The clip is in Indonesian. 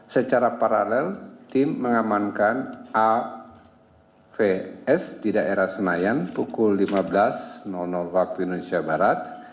secara paralel tim mengamankan avs di daerah senayan pukul lima belas waktu indonesia barat